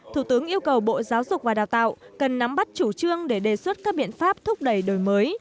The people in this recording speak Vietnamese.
thủ tướng yêu cầu bộ giáo dục và đào tạo cần nắm bắt chủ trương để đề xuất các biện pháp thúc đẩy đổi mới